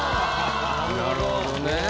なるほどね。